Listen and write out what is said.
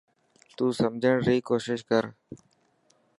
تو سمجهڻ ي ڪوشش ڪر.